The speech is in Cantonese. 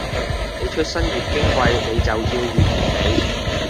你出身越矜貴，你就要越完美